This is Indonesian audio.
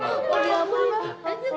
bapak mamut mamut